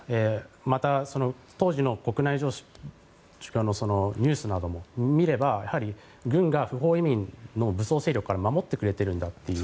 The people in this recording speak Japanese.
また、その当時の国内ニュースなども見れば軍が不法移民の武装勢力から守ってくれているんだという。